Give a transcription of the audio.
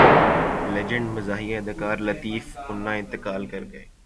legend مزاحیہ اداکار لطیف منا انتقال کر گئے